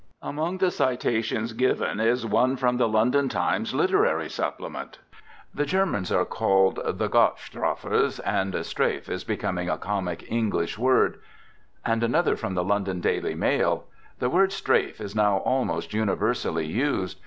••." Among the citations given is one from the London Times Literary Supplement: "The Germans are called the Gott strafers, and strafe is becoming a comic English word "; and another from the London Daily Mail: " The word strafe is now almost uni versally used.